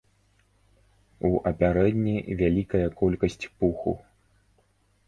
У апярэнні вялікая колькасць пуху.